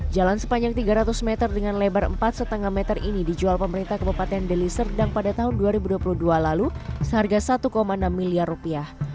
jalan sepanjang tiga ratus meter dengan lebar empat lima meter ini dijual pemerintah kabupaten deli serdang pada tahun dua ribu dua puluh dua lalu seharga satu enam miliar rupiah